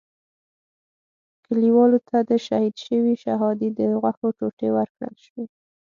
کلیوالو ته د شهید شوي شهادي د غوښو ټوټې ورکړل شوې.